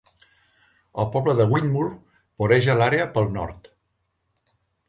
El poble de Whitburn voreja l'àrea pel nord.